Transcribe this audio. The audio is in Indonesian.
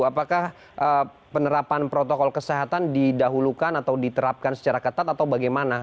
apakah penerapan protokol kesehatan didahulukan atau diterapkan secara ketat atau bagaimana